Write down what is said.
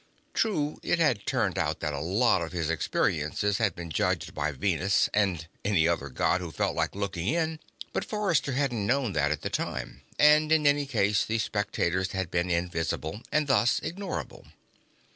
True, it had turned out that a lot of his experiences had been judged by Venus and any other God who felt like looking in, but Forrester hadn't known that at the time and, in any case, the spectators had been invisible and thus ignorable.